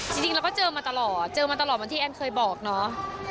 จริงเราก็เจอมาตลอดเจอมาตลอดเหมือนที่แอนเคยบอกเนาะ